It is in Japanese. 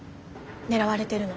狙われてるの。